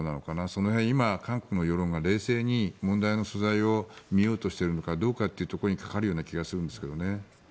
その辺、今韓国の世論が冷静に問題の所在を見ようとしているのかどうかにかかるような気がするんですけどね。